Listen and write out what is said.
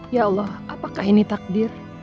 ya allah apakah ini takdir